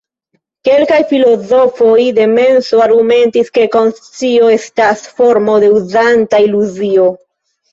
Kelkaj filozofoj de menso argumentis ke konscio estas formo de uzanta iluzio.